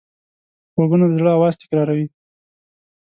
غوږونه د زړه آواز تکراروي